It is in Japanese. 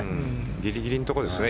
ギリギリのところですね。